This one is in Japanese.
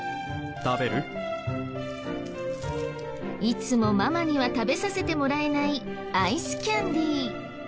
いつもママには食べさせてもらえないアイスキャンディー。